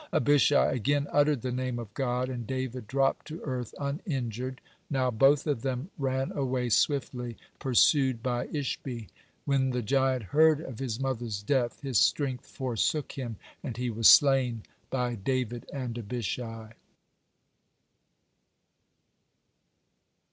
Abishai again uttered the Name of God, and David dropped to earth uninjured. Now both of them ran away swiftly, pursued by Ishbi. When the giant heard of his mother's death, his strength forsook him, and he was slain by David and Abishai.